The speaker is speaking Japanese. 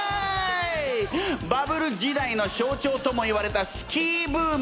バブル時代の象徴ともいわれたスキーブーム。